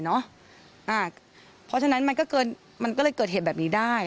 เพราะฉะนั้นมันก็เลยเกิดเหตุแบบนี้ได้